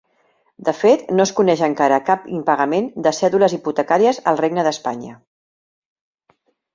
De fet no es coneix encara cap impagament de cèdules hipotecàries al regne d'Espanya.